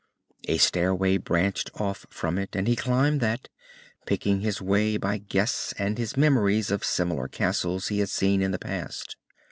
A stairway branched off from it, and he climbed that, picking his way by guess and his memories of similar castles he had seen in the past.